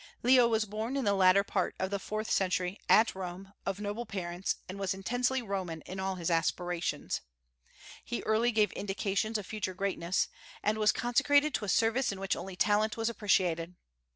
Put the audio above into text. Leo was born, in the latter part of the fourth century, at Rome, of noble parents, and was intensely Roman in all his aspirations. He early gave indications of future greatness, and was consecrated to a service in which only talent was appreciated.